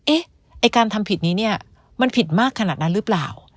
ไอ้การทำผิดนี้เนี่ยมันผิดมากขนาดนั้นหรือเปล่า